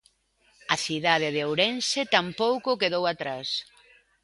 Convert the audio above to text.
A cidade de Ourense tampouco quedou atrás.